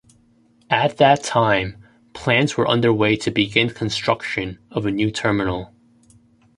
At that time, plans were underway to begin construction of a new terminal.